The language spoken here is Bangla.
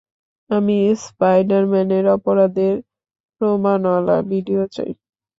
আমি স্পাইডারম্যানের অপরাধের প্রমাণওয়ালা ভিডিও চাই।